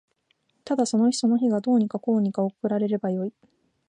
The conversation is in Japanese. ただその日その日がどうにかこうにか送られればよい